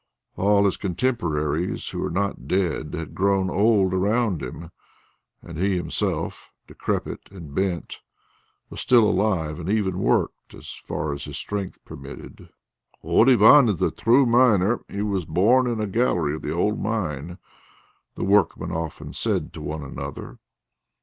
All his contemporaries who were not dead had grown old around him, and he himself, decrepit and bent, was still alive and even worked, as far as his strength permitted. "Old Ivan is a true miner; he was born in a gallery of the old mine," the workmen often said to one another.